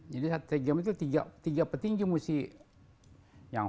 jadi tiga petinju mesti yang